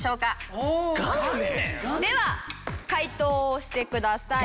では解答してください。